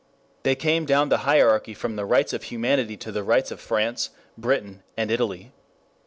They came down the hierarchy from the Rights of Humanity to the Rights of France, Britain and Italy.